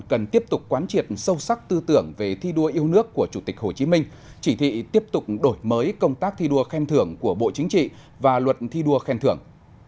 cần tiếp tục quán triệt sâu sắc tư tưởng về thi đua yêu nước của chủ tịch hồ chí minh chỉ thị tiếp tục đổi mới công tác thi đua khen thưởng của bộ chính trị và luật thi đua khen thưởng